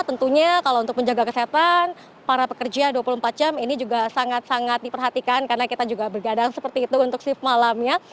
tentunya kalau untuk menjaga kesehatan para pekerja dua puluh empat jam ini juga sangat sangat diperhatikan karena kita juga bergadang seperti itu untuk shift malamnya